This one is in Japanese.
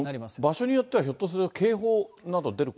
場所によってはひょっとすると、警報など出るかも？